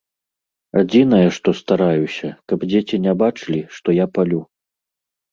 Адзінае, што стараюся, каб дзеці не бачылі, што я палю.